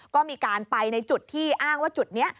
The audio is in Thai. ก็มีการไปในจุดที่อ้างว่าจุดนี้